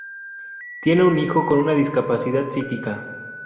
Tiene un hijo con una discapacidad psíquica.